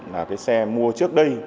là cái xe mua trước đây